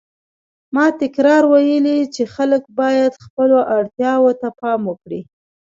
ما تکراراً ویلي چې خلک باید خپلو اړتیاوو ته پام وکړي.